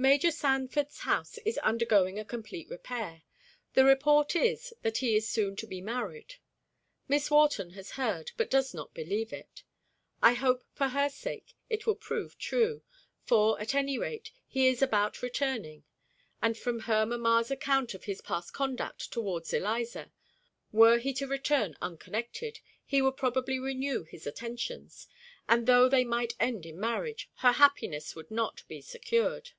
Major Sanford's house is undergoing a complete repair. The report is, that he is soon to be married. Miss Wharton has heard, but does not believe it. I hope for her sake it will prove true; for, at any rate, he is about returning; and from her mamma's account of his past conduct towards Eliza, were he to return unconnected, he would probably renew his attentions; and though they might end in marriage, her happiness would not be secured.